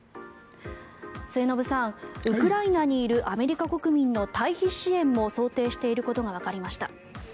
末延さん、ウクライナにいるアメリカ国民の退避支援も想定していることがわかりました。